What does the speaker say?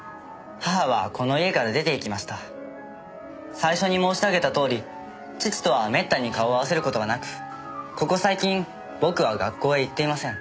最初に申し上げたとおり父とはめったに顔を合わせる事がなくここ最近僕は学校へ行っていません。